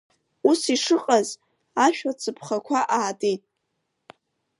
Ус ишыҟаз, ашә ацыԥхақәа аатит.